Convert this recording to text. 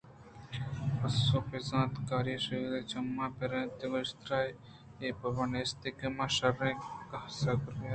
پس ءَ پہ زانتکاری ءُ شِیواری چم پر ترّینتنت ءُ گوٛشتترا اے پرواہ نیست کہ منا شرّیں کاہ رَسَگ یا حرابیں